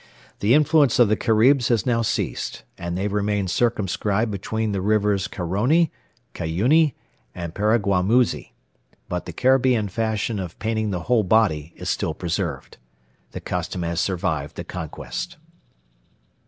The influence of the Caribs has now ceased, and they remain circumscribed between the rivers Carony, Cuyuni, and Paraguamuzi; but the Caribbean fashion of painting the whole body is still preserved. The custom has survived the conquest.